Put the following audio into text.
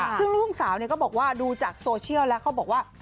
ค่ะซึ่งรุ่นสาวเนี่ยก็บอกว่ารู้จากโซเชียลแล้วเขาบอกว่า